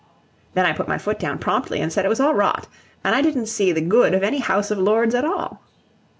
Then I put my foot down promptly, and said it was all rot, and I didn't see the good of any House of Lords at all.